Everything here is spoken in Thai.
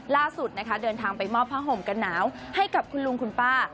ล่าสุดนะคะเดินทางไปมอบผ้าห่มกันหนาวให้กับคุณลุงคุณป้า